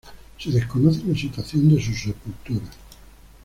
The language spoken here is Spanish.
Se desconoce la situación de su sepultura.